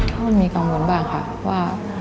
ก็มีกังวลบ้างค่ะว่า